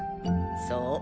そう。